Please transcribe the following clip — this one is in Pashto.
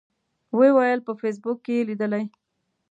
و یې ویل په فیسبوک کې یې لیدلي.